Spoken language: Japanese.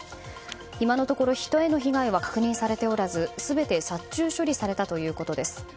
今のところ人への被害は確認されておらず全て殺虫処理されたということです。